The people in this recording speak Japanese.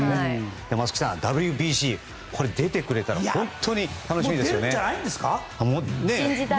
松木さん、ＷＢＣ出てくれたら本当に楽しみですね。